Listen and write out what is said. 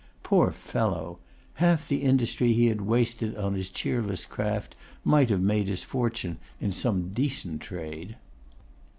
Poor fellow! half the industry he had wasted on his cheerless craft might have made his fortune in some decent trade!